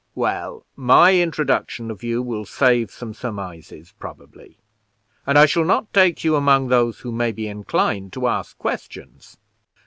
"Well, my introduction of you will save some surmises, probably; and I shall not take you among those who may be inclined to ask questions.